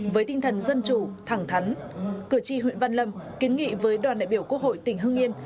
với tinh thần dân chủ thẳng thắn cử tri huyện văn lâm kiến nghị với đoàn đại biểu quốc hội tỉnh hưng yên